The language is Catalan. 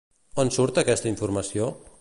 On surt aquesta informació?